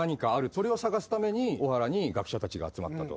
それを探すためにオハラに学者たちが集まったと。